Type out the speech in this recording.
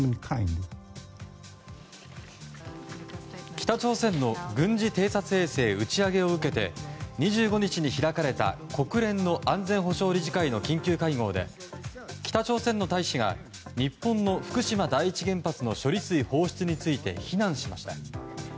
北朝鮮の軍事偵察衛星打ち上げを受けて２５日に開かれた国連の安全保障理事会の緊急会合で北朝鮮の大使が日本の福島第一原発の処理水放出について非難しました。